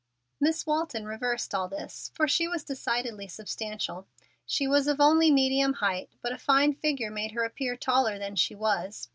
Miss Walton reversed all this, for she was decidedly substantial. She was of only medium height, but a fine figure made her appear taller than she was.